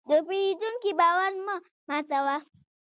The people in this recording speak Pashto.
د پیرودونکي باور مه ماتوه.